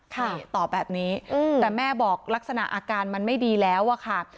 นี่ตอบแบบนี้แต่แม่บอกลักษณะอาการมันไม่ดีแล้วอะค่ะ